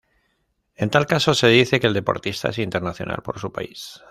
En tal caso, se dice que el deportista es internacional por su país.